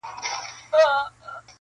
د هندو له کوره هم قران را ووت ,